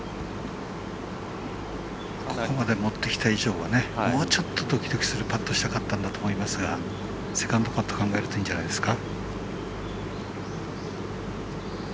ここまで持ってきた以上はもうちょっとドキドキするパットをしたかったと思うんですがセカンドパット考えるといいんじゃないですか。